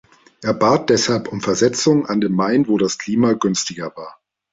Er bat deshalb um Versetzung an den Main, wo das Klima günstiger war.